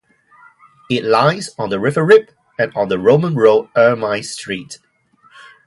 It lies on the River Rib and on the Roman road Ermine Street.